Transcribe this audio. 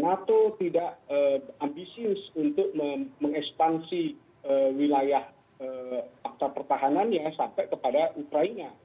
nato tidak ambisius untuk mengekspansi wilayah akta pertahanannya sampai kepada ukraina